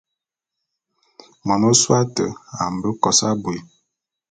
Mon ôsôé ate a mbe kos abui.